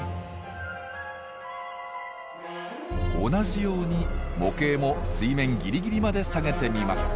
同じように模型も水面ギリギリまで下げてみます。